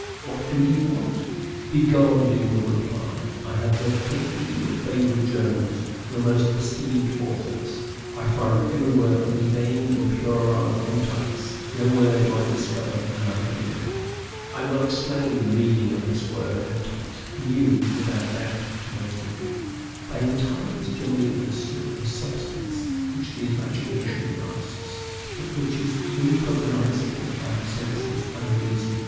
what do you want? Be guarded in your reply. I have read faithfully your favorite journals, your most esteemed authors. I find everywhere only vain and puerile entites; nowhere do I discover an idea. I will explain the meaning of this word entite, new, without doubt, to most of you. By entite is generally understood a substance which the imagination grasps, but which is incognizable by the senses and the reason.